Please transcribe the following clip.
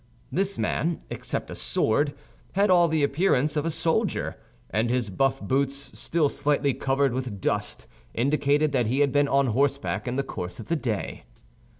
This man, except a sword, had all the appearance of a soldier; and his buff boots, still slightly covered with dust, indicated that he had been on horseback in the course of the day.